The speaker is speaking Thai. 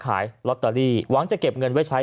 ขายลอตเตอรี่หวังจะเก็บเงินไว้ใช้